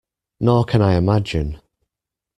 Nor can I imagine.